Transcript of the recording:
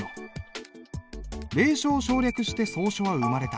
隷書を省略して草書は生まれた。